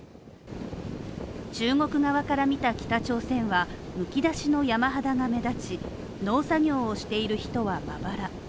中国側から見た北朝鮮はむき出しの山肌が目立ち、農作業をしている人はまばら。